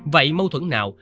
vậy mâu thuẫn nào